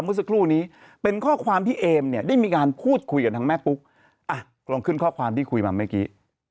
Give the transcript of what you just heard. เมื่อสักครู่นี้เป็นข้อความที่เอมเนี่ยได้มีการพูดคุยกับทางแม่ปุ๊กอ่ะลองขึ้นข้อความที่คุยมาเมื่อกี้